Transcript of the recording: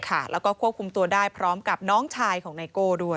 แล้วก็ควบคุมตัวได้พร้อมกับน้องชายของไนโก้ด้วย